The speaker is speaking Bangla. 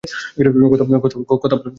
কথা বল, মাংকির পোলা!